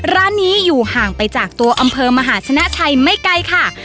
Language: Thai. ร้านนี้อยู่ห่างไปจากตัวอำเภอมหาชนะชัยไม่ไกลค่ะ